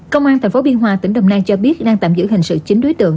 công an tp biên hòa tỉnh đồng nai cho biết đang tạm giữ hình sự chín đối tượng